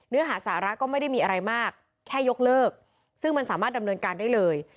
เนื้อหาสาระก็ไม่ได้มีอะไรมากแค่ยกเลิกซึ่งมันสามารถดำเนินการได้เลย